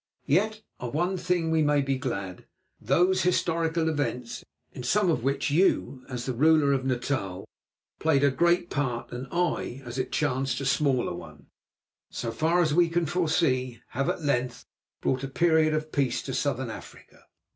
Yet of one thing we may be glad. Those historical events, in some of which you, as the ruler of Natal, played a great part, and I, as it chanced, a smaller one, so far as we can foresee, have at length brought a period of peace to Southern Africa.